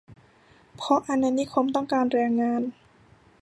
เพราะอาณานิคมต้องการแรงงาน